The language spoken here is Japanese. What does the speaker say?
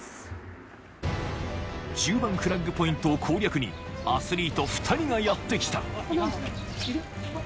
１０番フラッグポイントを攻略にアスリート２人がやって来たいますね。